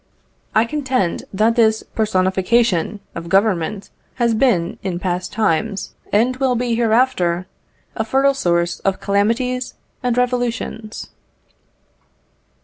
I contend that this personification of Government has been, in past times, and will be hereafter, a fertile source of calamities and revolutions.